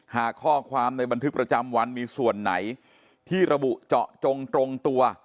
หากข้อความในบันทึกประจำวันมีส่วนไหนที่ระบุเจาะจงตรงตัว